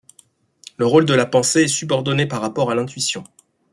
Le rôle de la pensée est subordonné par rapport à l'intuition.